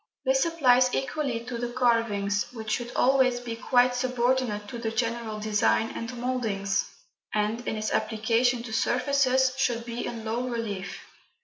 This applies equally to the carvings, which should always be quite subordinate to the general design and mouldings, and (in its application to surfaces) should be in low relief.